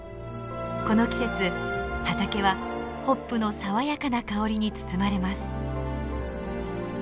この季節畑はホップの爽やかな香りに包まれます。